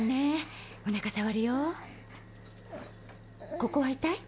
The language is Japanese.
ここは痛い？